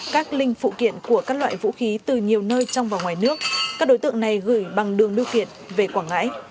các linh phụ kiện của các loại vũ khí từ nhiều nơi trong và ngoài nước các đối tượng này gửi bằng đường đưa kiệt về quảng ngãi